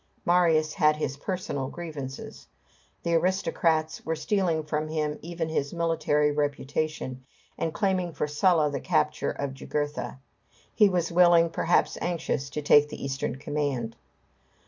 Marius had his personal grievances. The aristocrats were stealing from him even his military reputation, and claiming for Sulla the capture of Jugurtha. He was willing, perhaps anxious, to take the Eastern command.